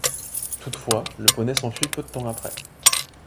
Toutefois, le poney s'enfuit peu de temps après.